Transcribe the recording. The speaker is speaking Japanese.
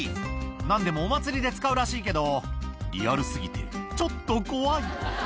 なんでもお祭りで使うらしいけど、リアルすぎてちょっと怖い。